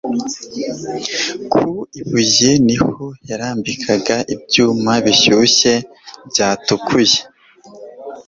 ku ibuye niho yarambikagaho ibyuma bishyushye byatukuye